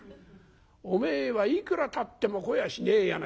おめえはいくらたっても来やしねえや。